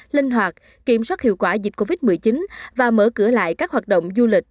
linh hoạt kiểm soát hiệu quả dịch covid một mươi chín và mở cửa lại các hoạt động du lịch